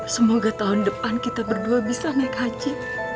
semoga tahun depan kita berdua bisa naik haji